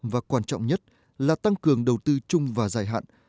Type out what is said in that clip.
và quan trọng nhất là tăng cường đầu tư chung và dài hạn